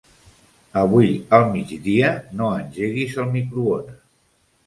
Avui al migdia no engeguis el microones.